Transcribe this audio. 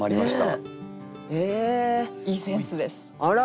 いいセンスです。